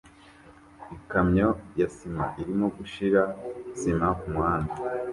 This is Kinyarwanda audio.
Ikamyo ya sima irimo gushira sima kumuhanda